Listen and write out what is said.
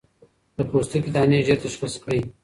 د پوستکي دانې ژر تشخيص کړئ.